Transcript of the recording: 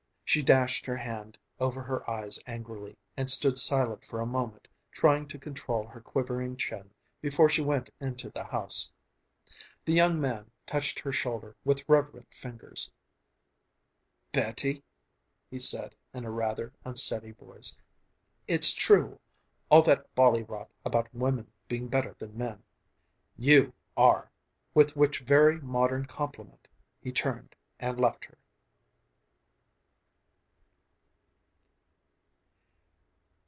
She dashed her hand over her eyes angrily, and stood silent for a moment, trying to control her quivering chin before she went into the house. The young man touched her shoulder with reverent fingers. "Betty," he said in a rather unsteady voice, "its true, all that bally rot about women being better than men. You are!" With which very modern compliment, he turned and left her.